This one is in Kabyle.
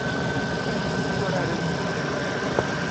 Amek i tt-tturaren?